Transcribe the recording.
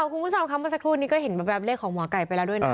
คุณผู้ชมค่ะเมื่อสักครู่นี้ก็เห็นแบบเลขของหมอไก่ไปแล้วด้วยนะ